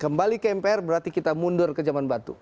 kembali ke mpr berarti kita mundur ke zaman batu